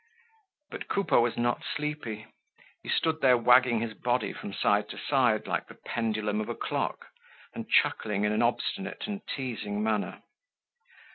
But Coupeau was not sleepy. He stood there wagging his body from side to side like the pendulum of a clock and chuckling in an obstinate and teasing manner.